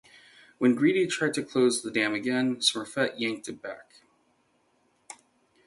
When Greedy tried to close the dam again, Smurfette yanked it back.